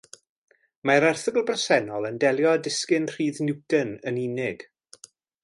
Mae'r erthygl bresennol yn delio â disgyn rhydd Newton yn unig.